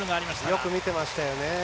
よく見ていましたよね。